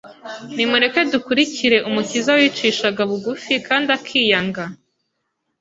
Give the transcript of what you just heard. Nimureke dukurikire Umukiza wicishaga bugufi kandi akiyanga.